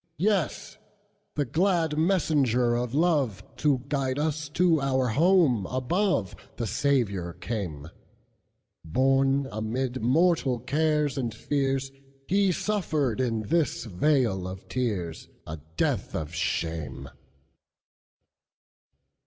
Yes, the glad messenger of love, To guide us to our home above, The Saviour came; Born amid mortal cares and fears, He suffered in this vale of tearsA death of shame.